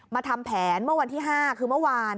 ทำแผนเมื่อวันที่๕คือเมื่อวาน